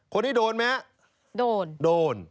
คนนี้โดนไหมคะโดน